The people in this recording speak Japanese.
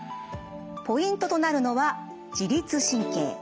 ポイントとなるのは自律神経。